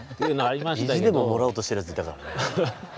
意地でももらおうとしてるやついたからね。